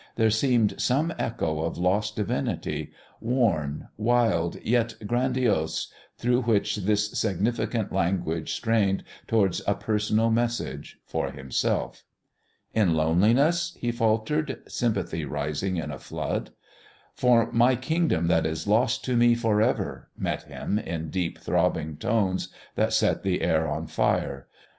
There seemed some echo of lost divinity, worn, wild yet grandiose, through which this significant language strained towards a personal message for himself. "In loneliness?" he faltered, sympathy rising in a flood. "For my Kingdom that is lost to me for ever," met him in deep, throbbing tones that set the air on fire.